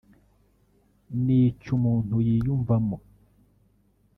ni icyo umuntu yiyumvamo